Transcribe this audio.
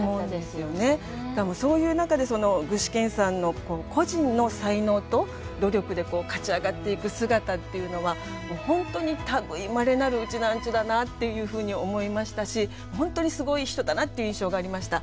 そういう中で具志堅さんの個人の才能と努力で勝ち上がっていく姿っていうのは本当に類いまれなるうちなーんちゅだなっていうふうに思いましたし本当にすごい人だなっていう印象がありました。